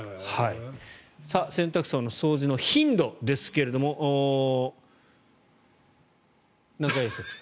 洗濯槽の掃除の頻度ですが何回でしたっけ？